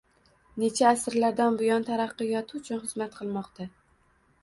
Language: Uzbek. Necha asrlardan buyon taraqqiyoti uchun xizmat qilmoqda